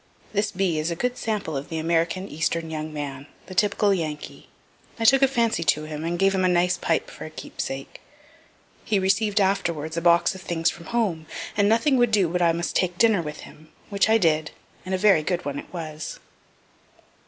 This B. is a good sample of the American eastern young man the typical Yankee. I took a fancy to him, and gave him a nice pipe for a keepsake. He receiv'd afterwards a box of things from home, and nothing would do but I must take dinner with him, which I did, and a very good one it was.